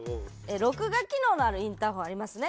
録画機能のあるインターホンありますね。